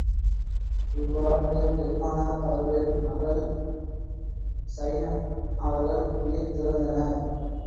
இவ்வாண்டு பெருமானார் அவர்களின் மகள் ஸைனப் அவர்கள் உயிர் துறந்தனர்.